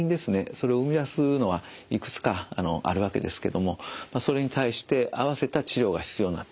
それを生み出すのはいくつかあるわけですけどもそれに対して合わせた治療が必要になってきます。